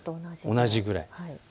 同じくらいです。